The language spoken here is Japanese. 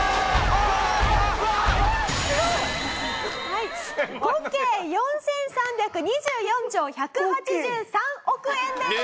はい５京４３２４兆１８３億円です！